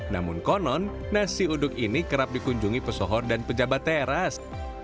namun konon nasi uduk ini kerap dikunjungi pesohor dan pejabat teras